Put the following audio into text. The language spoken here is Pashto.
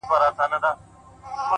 هره ستونزه د فرصت بڼه لري!.